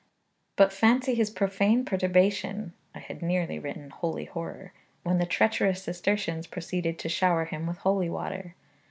But fancy his profane perturbation (I had nearly written holy horror) when the treacherous Cistercians proceeded to shower him with holy water.